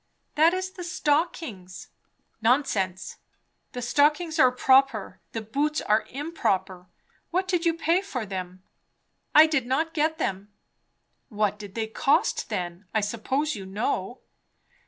"That is the stockings." "Nonsense! The stockings are proper; the boots are improper. What did you pay for them?" "I did not get them." "What did they cost, then? I suppose you know."